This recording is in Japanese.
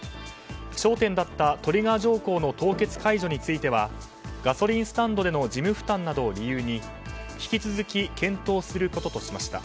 焦点だったトリガー条項の凍結解除についてはガソリンスタンドでの事務負担などを理由に引き続き検討することとしました。